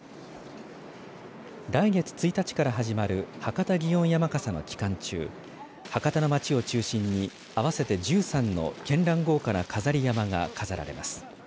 来月１日から始まる博多祇園山笠の期間中博多の街を中心に合わせて１３のけんらん豪華な飾り山笠が飾られます。